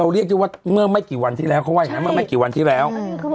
เรียกได้ว่าเมื่อไม่กี่วันที่แล้วเขาว่าอย่างนั้นเมื่อไม่กี่วันที่แล้ว